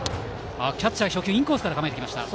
キャッチャーは初球インコースに構えてきました。